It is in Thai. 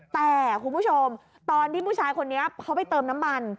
แต่คุณผู้ชมตอนที่ผู้ชายคนนี้เขาไปเติมน้ำมัน